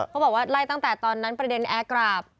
บอกว่าไล่ตั้งแต่ตอนนั้นประเด็นแอร์กราบ